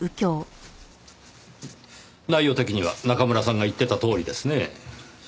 内容的には中村さんが言ってたとおりですね。